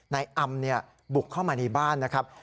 นายอำบุกเข้ามาในบ้านนะครับ